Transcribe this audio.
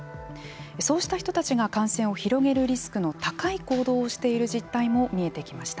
そうした人たちが感染を広げるリスクの高い行動をしている実態も見えてきました。